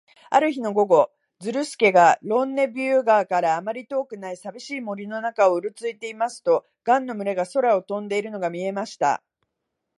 ある日の午後、ズルスケがロンネビュー川からあまり遠くない、さびしい森の中をうろついていますと、ガンの群れが空を飛んでいるのが見えました。